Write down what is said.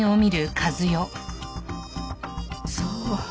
そう。